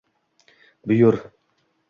Buyur —